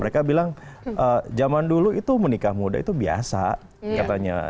mereka bilang zaman dulu itu menikah muda itu biasa katanya